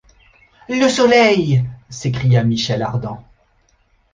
Le Soleil! s’écria Michel Ardan.